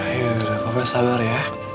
ya yuk papa sabar ya